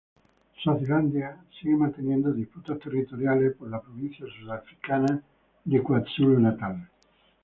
Suazilandia sigue manteniendo disputas territoriales por la provincia sudafricana de KwaZulu-Natal.